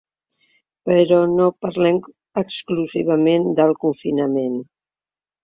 Però no parlem exclusivament del confinament.